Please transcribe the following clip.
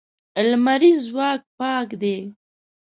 لمریز ځواک پاک دی.